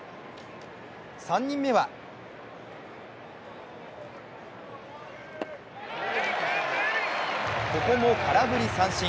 ３人目はここも空振り三振。